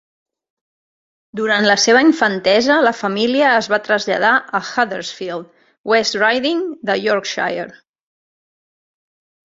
Durant la seva infantesa la família es va traslladar a Huddersfield, West Riding de Yorkshire.